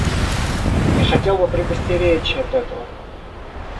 Я хотел бы предостеречь от этого.